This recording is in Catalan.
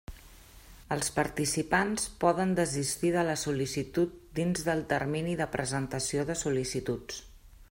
Els participants poden desistir de la sol·licitud dins del termini de presentació de sol·licituds.